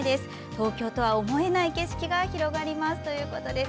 東京都は思えない景色が広がりますということです。